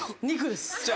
肉です。